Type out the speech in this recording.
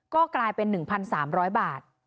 ก็กลายเป็นหนึ่งพันสามร้อยบาท